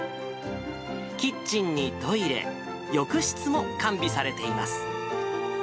キッチンにトイレ、浴室も完備されています。